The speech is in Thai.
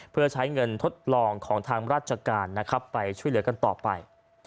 เพื่อใช้เงินทดลองของทางราชการนะครับไปช่วยเหลือกันต่อไป